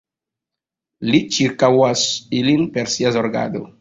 Li ĉirkaŭas ilin per Sia zorgado.